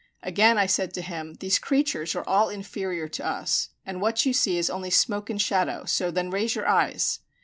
Again I said to him, "These creatures are all inferior to us, and what you see is only smoke and shadow; so then raise your eyes."